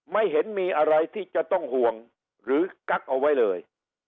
ไม่เห็นมีอะไรที่จะต้องห่วงหรือกั๊กเอาไว้เลย